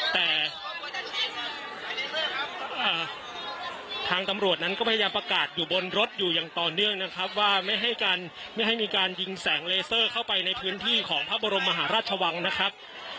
แต่ทางตำรวจนั้นก็พยายามประกาศอยู่บนรถอยู่อย่างต่อเนื่องนะครับว่าไม่ให้การไม่ให้มีการยิงแสงเลเซอร์เข้าไปในพื้นที่ของพระบรมมหาราชวังนะครับ